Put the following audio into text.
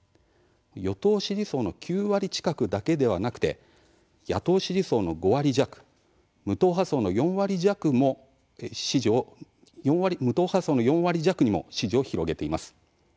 与党支持層の９割近くだけではなくて野党支持層の５割弱無党派層の４割弱にも支持を広げています。